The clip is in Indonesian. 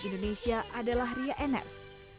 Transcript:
indonesia adalah ria enes